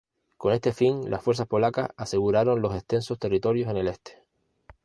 Con este fin, las fuerzas polacas aseguraron los extensos territorios en el este.